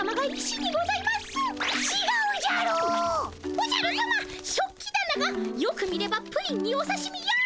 おじゃるさま食器だながよく見ればプリンにおさしみヨーグルト！